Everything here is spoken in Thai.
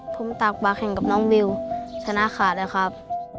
ผมตากบักแข่งกับน้องวิวชนะขาดแล้วครับ